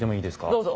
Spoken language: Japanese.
どうぞ。